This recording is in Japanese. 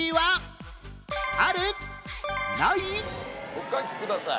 お書きください。